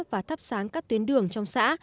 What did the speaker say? và thắp sáng các tuyến đường trong xã